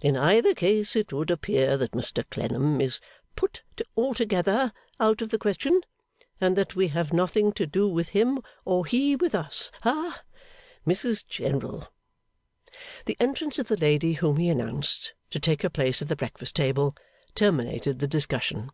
In either case, it would appear that Mr Clennam is put altogether out of the question, and that we have nothing to do with him or he with us. Ha Mrs General!' The entrance of the lady whom he announced, to take her place at the breakfast table, terminated the discussion.